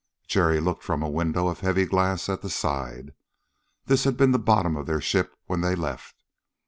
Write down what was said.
Jerry looked from a window of heavy glass at the side. This had been the bottom of their ship when they left.